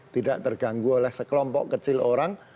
tidak terganggu oleh sekelompok kecil orang